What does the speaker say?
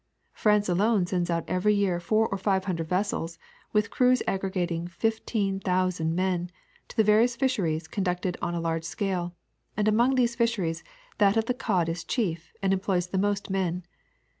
France alone sends out every year four or five hundred vessels, with crews aggregating fifteen thousand men, to the various fisheries conducted on a large scale ; and among these fisheries that of the cod is chief and employs the most men.